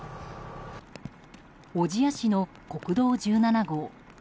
小千谷市の国道１７号。